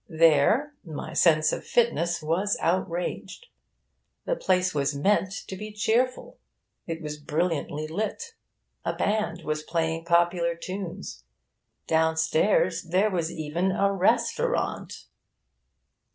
There my sense of fitness was outraged. The place was meant to be cheerful. It was brilliantly lit. A band was playing popular tunes. Downstairs there was even a restaurant.